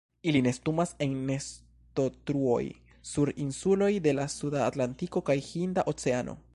Ili nestumas en nestotruoj sur insuloj de la Suda Atlantiko kaj Hinda Oceano.